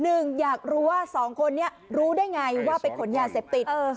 หนึ่งอยากรู้ว่าสองคนนี้รู้ได้ไงว่าไปขนยาเสพติด